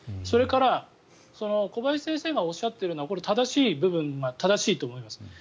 それから、小林先生がおっしゃっているのは正しい部分は正しいと思います。